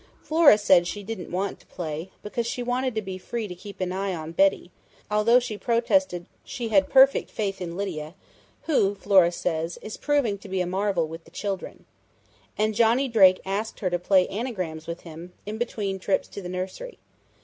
Flora said she didn't want to play, because she wanted to be free to keep an eye on Betty, although she protested she had perfect faith in Lydia, who, Flora says, is proving to be a marvel with the children. And Johnny Drake asked her to play anagrams with him, in between trips to the nursery.